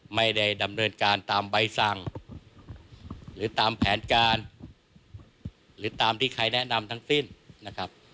ไม่ได้ดำเนินการตามใบสั่งหรือตามแผนการหรือตามที่ใครแนะนำทั้งสิ้นนะครับ